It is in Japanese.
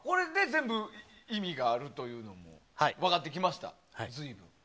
これで全部意味があるというのが分かってきました。